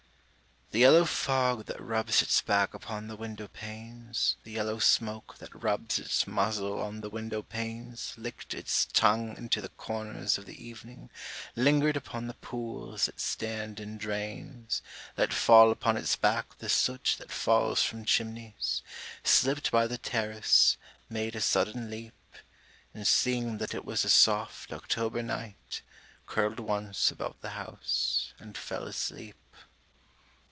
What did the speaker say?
The yellow fog that rubs its back upon the window panes, The yellow smoke that rubs its muzzle on the window panes, Licked its tongue into the corners of the evening, Lingered upon the pools that stand in drains, Let fall upon its back the soot that falls from chimneys, Slipped by the terrace, made a sudden leap, And seeing that it was a soft October night, Curled once about the house, and fell asleep.